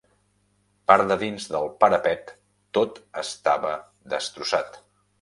Part dedins del parapet tot estava destrossat